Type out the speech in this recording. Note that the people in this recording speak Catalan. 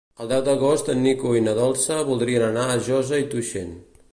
El deu d'agost en Nico i na Dolça voldrien anar a Josa i Tuixén.